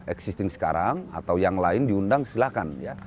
existing sekarang atau yang lain diundang silahkan ya